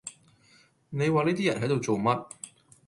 你話呢啲人喺度做乜